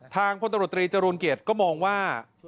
พลตำรวจตรีจรูลเกียจก็มองว่า